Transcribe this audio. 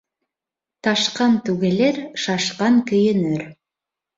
Ташҡан түгелер, шашҡан көйөнөр.